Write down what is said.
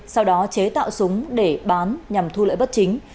sau đó chế tạo súng để bán nhằm thu lợi bất chính